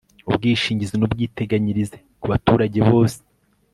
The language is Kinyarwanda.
ubwishingizi n'ubwiteganyirize ku baturage bose